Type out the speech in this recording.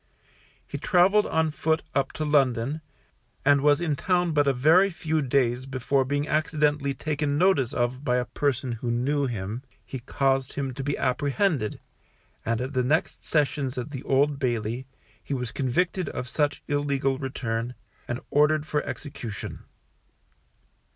He travelled on foot up to London, and was in town but a very few days before being accidentally taken notice of by a person who knew him, he caused him to be apprehended, and at the next sessions at the Old Bailey, he was convicted of such illegal return, and ordered for execution.